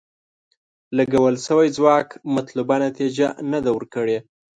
لګول شوی ځواک مطلوبه نتیجه نه ده ورکړې.